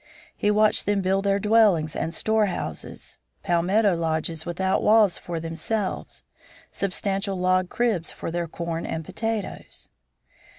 He watched them build their dwellings and storehouses palmetto lodges without walls for themselves, substantial log cribs for their corn and potatoes.